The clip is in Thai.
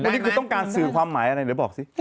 วันนี้คือต้องการสื่อความหมายอะไรเดี๋ยวบอกสิ